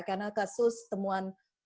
karena kasus temuan positif